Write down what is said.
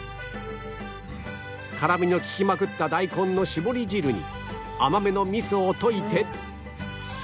辛みの利きまくった大根のしぼり汁に甘めの味噌を溶いて